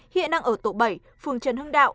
hiện đang ở tổ bảy phường trần hưng đạo